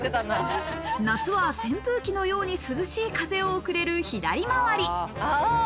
夏は扇風機のように涼しい風を送れる左回り。